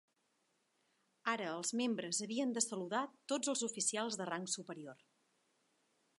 Ara els membres havien de saludar tots els oficials de rang superior.